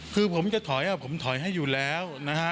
คือผมจะถอยผมถอยให้อยู่แล้วนะฮะ